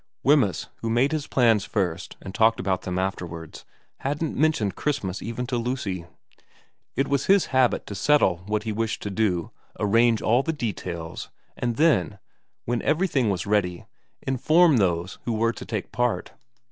Wemyss, who made his plans first and talked about them afterwards, hadn't mentioned Christmas even to Lucy. It was his habit to settle what he wished to do, arrange all the details, and then, when everything was ready, inform those who were to take part.